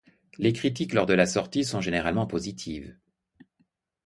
Les critiques lors de la sortie sont généralement positives.